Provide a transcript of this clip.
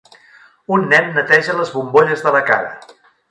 un nen neteja les bombolles de la cara.